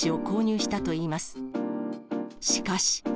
しかし。